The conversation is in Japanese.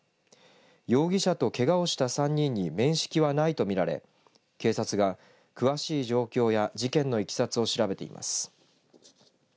容疑者とけがをした３人に面識はないと見られ警察が詳しい状況や事件のいきさつを調べています。